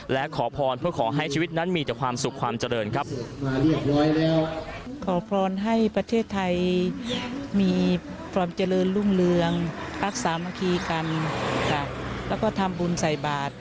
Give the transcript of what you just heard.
และขอพรเพื่อขอให้ชีวิตนั้นมีแต่ความสุขความเจริญครับ